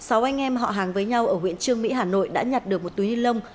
sáu anh em họ hàng với nhau ở huyện trương mỹ hà nội đã nhặt được một túi ni lông